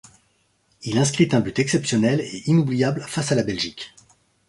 Il inscrit un but exceptionnel et inoubliable face à la Belgique.